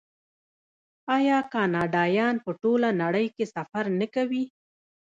آیا کاناډایان په ټوله نړۍ کې سفر نه کوي؟